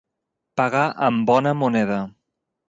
Pagar amb bona moneda.